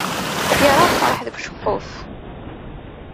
Yerra lferḥ deg uceqquf.